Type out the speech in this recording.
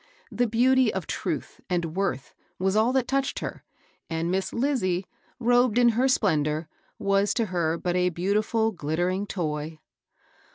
The beauty of truth and worth was all that touched her, and Miss Lizie, robed in her splendor, was to her but a beautiful, glittering toy.